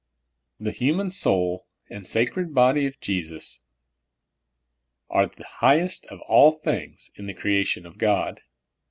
The human soul and sacred bod}" of Jesus are the highest of all things in the creation of God.